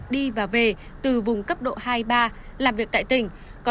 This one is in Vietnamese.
đi và về từ vùng cấp độ hai ba làm việc tại tỉnh